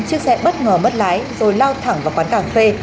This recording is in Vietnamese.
chiếc xe bất ngờ mất lái rồi lao thẳng vào quán cà phê